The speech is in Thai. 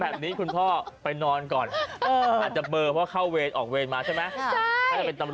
คุณพ่อไปนอนก่อนอาจจะเบอร์เพราะเข้าเวรออกเวรมาใช่ไหม